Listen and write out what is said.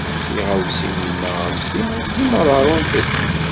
Tiɣawsiwin am ti dima ḍerrunt-d.